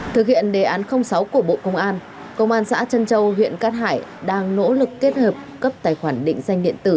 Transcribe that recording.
thực hiện đề án sáu của bộ công an công an xã trân châu huyện cát hải đang nỗ lực kết hợp cấp tài khoản định danh điện tử